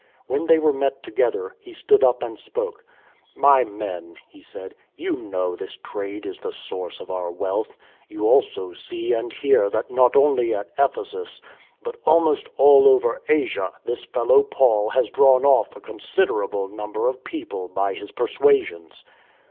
When they were met together he stood up and spoke. " My men," he said, " you know this trade is the source of our wealth. You also see and hear that not only at Ephesus, but almost all over Asia, this fellow Paul has drawn off a considerable number of people by his persuasions.